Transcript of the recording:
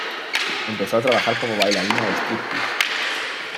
Empezó a trabajar como bailarina de striptease.